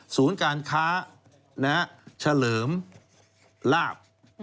ศูนย์การค้าเฉลิมลาบ